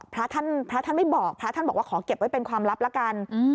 พระท่านไม่บอกพระท่านบอกว่าขอเก็บไว้เป็นความลับละกัน